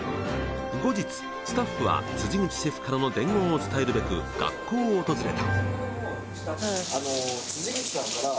後日スタッフは辻口シェフからの伝言を伝えるべく学校を訪れた。